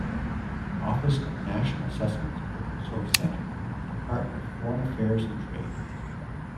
Office of National Assessments Open Source Centre, Department of Foreign Affairs and Trade.